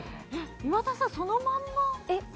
岩田さん、そのまんま。